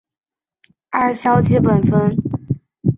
二硝基苯酚